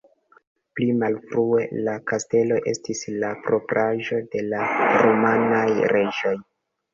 Pli malfrue la kastelo estis la propraĵo de la rumanaj reĝoj.